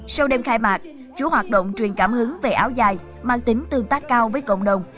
sau đêm khai mạc chủ hoạt động truyền cảm hứng về áo dài mang tính tương tác cao với cộng đồng